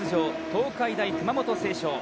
東海大熊本星翔。